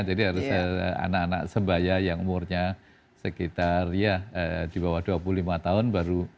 jadi harus anak anak sebaya yang umurnya sekitar ya di bawah dua puluh lima tahun baru